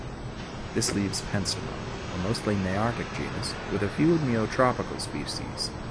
This leaves "Penstemon" a mostly nearctic genus, with a few neotropical species.